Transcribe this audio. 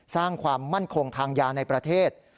สร้างความมั่นคงทางยาในประเทศ